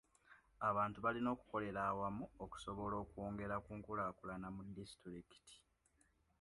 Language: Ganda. Abantu balina okukolera awamu okusobola okwongera ku nkulaakulana mu disitulikiti.